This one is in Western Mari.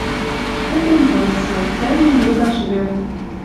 Пӹтен вырсы, цӓрнен йогаш вӹр.